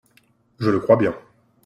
Je le crois bien.